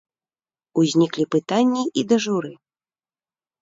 Узніклі пытанні і да журы.